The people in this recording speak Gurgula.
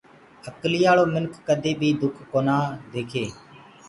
اڪليآݪو منک ڪدي بي دُک ڪونآ ديکي